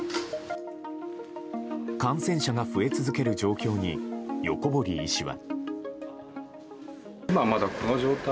感染者が増え続ける状況に横堀医師は。